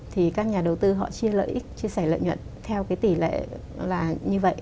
thì các nhà đầu tư họ chia lợi ích chia sẻ lợi nhuận theo cái tỷ lệ là như vậy